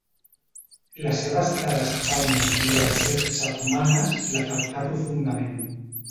La seva estada a Espanya durant set setmanes l'afectà profundament.